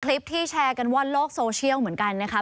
คลิปที่แชร์กันว่อนโลกโซเชียลเหมือนกันนะคะ